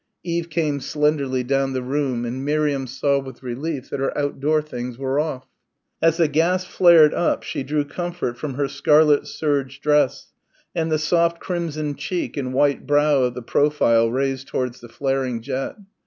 Eve came slenderly down the room and Miriam saw with relief that her outdoor things were off. As the gas flared up she drew comfort from her scarlet serge dress, and the soft crimson cheek and white brow of the profile raised towards the flaring jet.